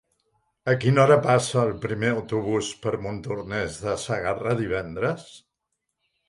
A quina hora passa el primer autobús per Montornès de Segarra divendres?